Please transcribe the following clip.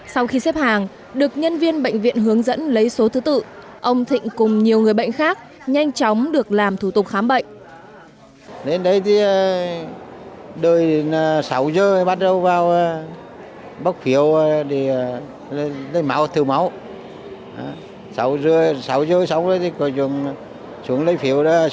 sau khi xếp hàng được nhân viên bệnh viện hướng dẫn lấy số thứ tự ông thịnh cùng nhiều người bệnh khác nhanh chóng được làm thủ tục khám bệnh